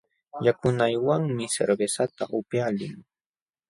Yakunaywanmi cervezata upyaqlun.